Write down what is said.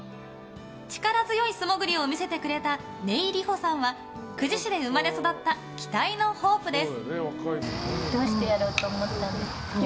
力強い素潜りを見せてくれた根井さんは久慈市で生まれ育った期待のホープです。